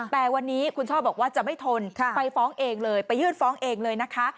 แต่วันนี้คุณช่อบอกว่าจะไม่ทนไปฟ้องเองเลยไปยื่นฟ้องเองเลยนะคะ